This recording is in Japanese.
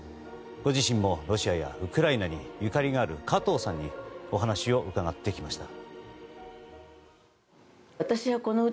ご自身もロシアやウクライナにゆかりがある加藤さんにお話を伺ってきました。